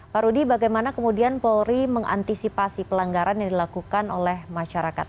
pak rudy bagaimana kemudian polri mengantisipasi pelanggaran yang dilakukan oleh masyarakat